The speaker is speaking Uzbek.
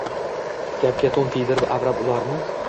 Gapga to’n kiydirib, avrab ularni.